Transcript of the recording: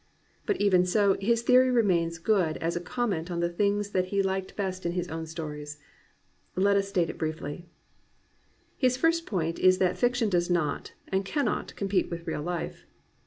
But even so, his theory remains good as a comment on the things that he liked best in his own stories. Let us take it briefly. His first point is that fiction does not, and can not, compete with real life.